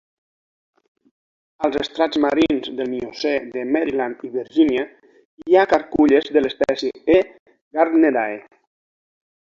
Als estrats marins del miocè de Maryland i Virgínia hi ha carculles de l'espècie "E. Gardnerae".